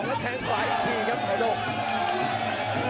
และดันขวาอีกทีครับเอาโดง